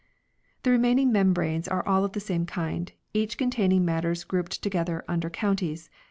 1 The remaining membranes are all of the same kind, each containing matters grouped together under counties.